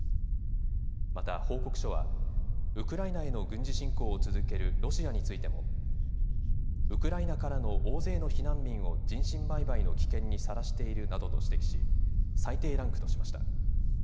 また報告書はウクライナへの軍事侵攻を続けるロシアについてもウクライナからの大勢の避難民を人身売買の危険にさらしているなどと指摘し最低ランクとしました。